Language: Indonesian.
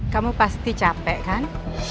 kamu pasti capek kan